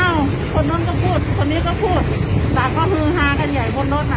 คนนู้นก็พูดคนนี้ก็พูดต่างก็ฮือฮากันใหญ่บนรถน่ะ